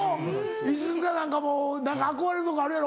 石塚なんかも何か憧れとかあるやろ？